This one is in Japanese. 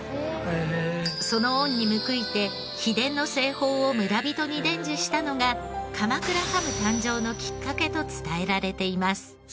その恩に報いて秘伝の製法を村人に伝授したのが鎌倉ハム誕生のきっかけと伝えられています。